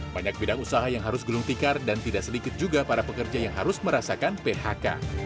banyak bidang usaha yang harus gulung tikar dan tidak sedikit juga para pekerja yang harus merasakan phk